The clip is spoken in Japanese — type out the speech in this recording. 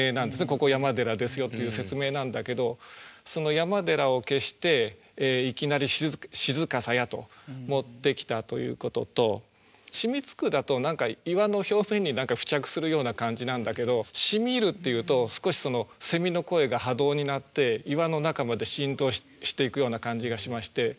ここ山寺ですよという説明なんだけどその「山寺」を消していきなり「閑さや」と持ってきたということと「しみつく」だと岩の表面に何か付着するような感じなんだけど「しみ入」っていうと少しその蝉の声が波動になって岩の中まで浸透していくような感じがしまして。